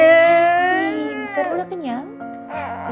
pinter udah kenyang